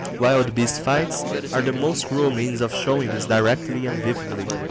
Wild beast fights are the most cruel means of showing this directly and vividly.